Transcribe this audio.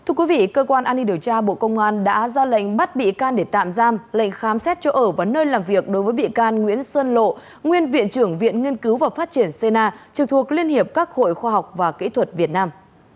thưa quý vị cơ quan an ninh điều tra bộ công an đã ra lệnh bắt bị can để tạm giam lệnh khám xét chỗ ở và nơi làm việc đối với bị can nguyễn sơn lộ nguyên viện trưởng viện nghiên cứu và phát triển cna trực thuộc liên hiệp các hội khoa học và kỹ thuật việt nam